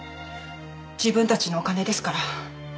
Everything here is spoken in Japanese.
自分たちのお金ですから。